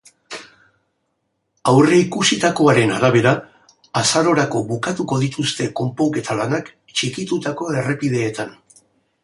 Aurreikusitakoaren arabera, azarorako bukatuko dituzte konponketa lanak txikitutako errepideetan.